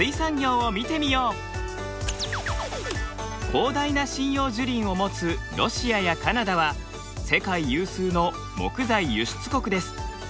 広大な針葉樹林を持つロシアやカナダは世界有数の木材輸出国です。